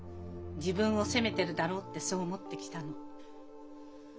自分を責めてるだろうってそう思ってきたの。